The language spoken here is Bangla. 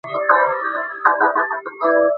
মোতির মা তাড়াতাড়ি পালিয়ে গেল।